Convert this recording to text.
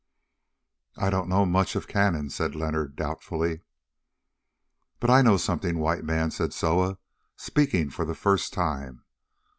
"I don't know much of cannon," said Leonard doubtfully. "But I know something, White Man," said Soa, speaking for the first time.